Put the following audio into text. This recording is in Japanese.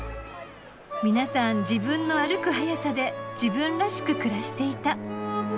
皆さん自分の歩く速さで自分らしく暮らしていた。